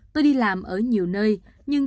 tôi đi làm ở nhiều nơi nhưng